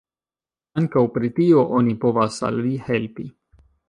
Ankaŭ pri tio oni povas al vi helpi.